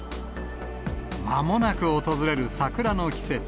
まもなく訪れる桜の季節。